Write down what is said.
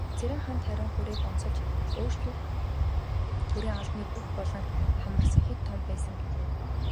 Цэрэнханд харин хүрээг онцолж, "өөрчлөлт төрийн албаны бүх буланг хамарсан хэт том байсан" гэжээ.